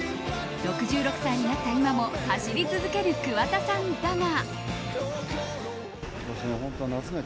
６６歳になった今も走り続ける桑田さんだが。